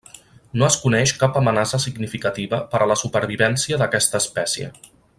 No es coneix cap amenaça significativa per a la supervivència d'aquesta espècie.